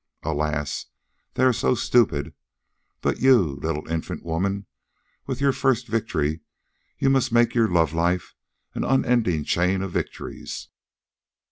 Alas, they are so stupid. But you, little infant woman with your first victory, you must make your love life an unending chain of victories.